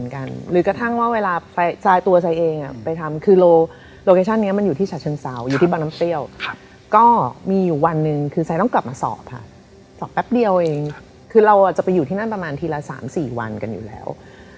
เข้าใจพี่อุ๋ยแล้วเข้าใจคำพูดกันแล้ว